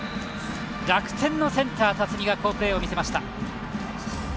楽天のセンター、辰己が好プレーを見せました。